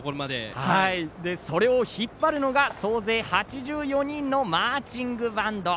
それを引っ張るのが総勢８４人のマーチングバンド。